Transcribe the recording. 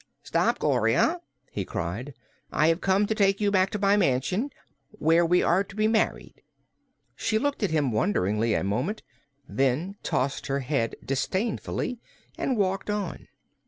"Stop, Gloria!" he cried. "I have come to take you back to my mansion, where we are to be married." She looked at him wonderingly a moment, then tossed her head disdainfully and walked on.